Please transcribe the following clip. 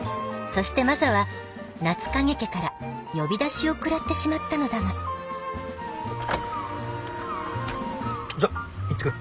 そしてマサは夏影家から呼び出しを食らってしまったのだがじゃ行ってくる。